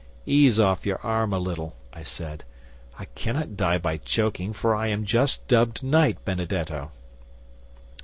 '"Ease off your arm a little," I said. "I cannot die by choking, for I am just dubbed knight, Benedetto."